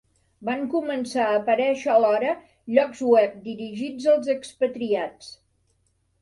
Van començar a aparèixer alhora llocs web dirigits als expatriats.